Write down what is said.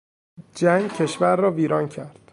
جنگ کشور را ویران کرد.